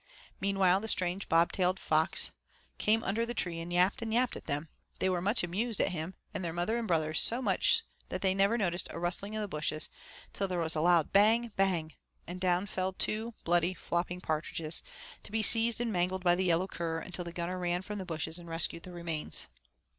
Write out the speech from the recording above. Meanwhile, the strange bob tailed fox came under the tree and yapped and yapped at them. They were much amused at him and at their mother and brothers, so much that they never noticed a rustling in the bushes till there was a loud Bang! bang! and down fell two bloody, flopping partridges, to be seized and mangled by the yellow cur until the gunner ran from the bushes and rescued the remains.